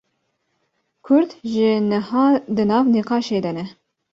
Kurd jî niha di nav nîqaşê de ne